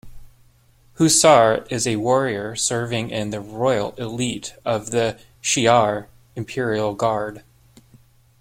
Hussar is a warrior serving in the Royal Elite of the Shi'ar Imperial Guard.